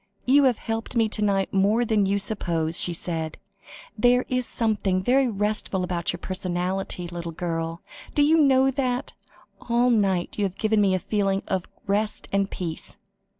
"You have helped me to night more than you suppose," she said; "there is something very restful about your personality, little girl, do you know that? All night you have given me a feeling of rest and peace."